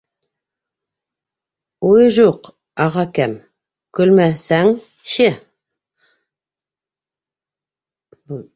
— Уй, жуҡ, ағакәм, көлмәсәңче.